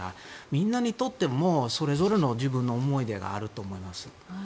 みんなにとっても、それぞれの自分の思い出があると思います。